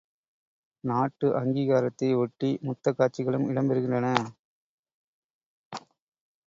நாட்டு அங்கீகாரத்தை ஒட்டி முத்தக் காட்சிகளும் இடம் பெறுகின்றன.